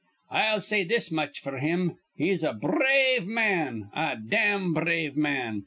I'll say this much f'r him, he's a brave man, a dam brave man.